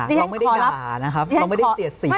เราไม่ได้ด่านะครับเราไม่ได้เสียสี